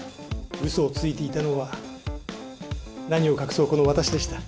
嘘をついていたのは何を隠そうこの私でした。